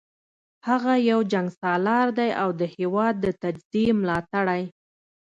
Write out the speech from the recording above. هغه یو جنګسالار دی او د هیواد د تجزیې ملاتړی